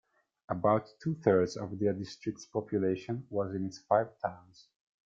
About two-thirds of the district's population was in its five towns.